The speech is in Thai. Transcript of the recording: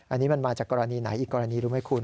อันนี้มันมาจากกรณีไหนอีกกรณีรู้ไหมคุณ